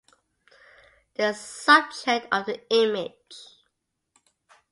The subject of the image.